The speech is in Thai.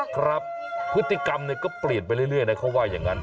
ครับพฤติกรรมก็เปลี่ยนไปเรื่อยนะเขาว่าอย่างนั้น